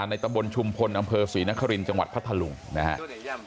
ในตำบลชุมพลอำเภอศรีนครินทร์จังหวัดพัทธลุงนะครับ